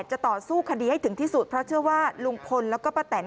จะต่อสู้คดีให้ถึงที่สุดเพราะเชื่อว่าลุงพลแล้วก็ป้าแตน